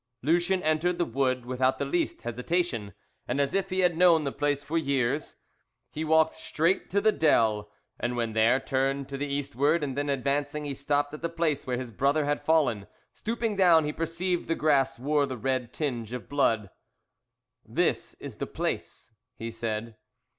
Lucien entered the wood without the least hesitation, and as if he had known the place for years. He walked straight to the dell, and when there turned to the eastward, and then advancing he stopped at the place where his brother had fallen: stooping down he perceived the grass wore the red tinge of blood. "This is the place," he said.